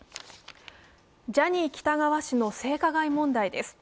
ジャニー喜多川氏の性加害問題です。